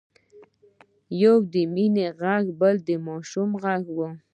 يو د مينې غږ بل د ماشوم غږ و.